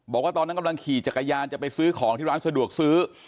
บอกว่าตอนนั้นกำลังขี่จักรยานจะไปซื้อของที่ร้านสะดวกซื้อ